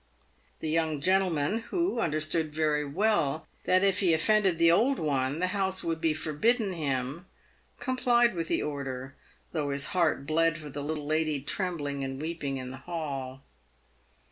The young gentleman, who understood very well that if he offended the old one the house would be forbidden him, complied with the order, though his heart bled for the little lady trembling and weeping in the hall.